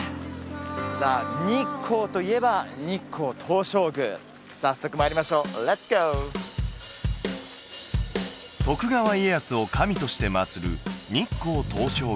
さあ日光といえば日光東照宮早速参りましょうレッツゴー徳川家康を神として祭る